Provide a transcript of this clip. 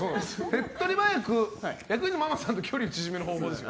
手っ取り早く役員のママさんの距離を詰める方法ですよ。